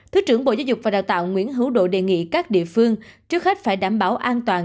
thứ trưởng bộ giáo dục và đào tạo nguyễn hữu độ đề nghị các địa phương trước hết phải đảm bảo an toàn